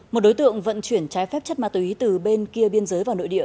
một đối tượng vận chuyển trái phép chất ma túy từ bên kia biên giới vào nội địa